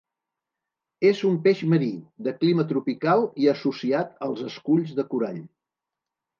És un peix marí, de clima tropical i associat als esculls de corall.